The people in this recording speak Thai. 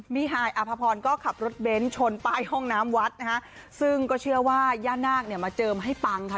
พี่หายอาภพรก็ขับรถเบนชนไปห้องน้ำวดนะคะซึ่งก็เชื่อว่าย่านนากเนี่ยเจอมาให้ปังค่ะ